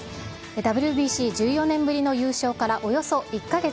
ＷＢＣ１４年ぶりの優勝からおよそ１か月。